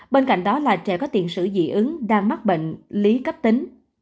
bên cạnh đó là trẻ có tiền sử dị ứng đang mắc bệnh lý cấp tính